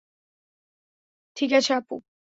ঠিক আছে আপু।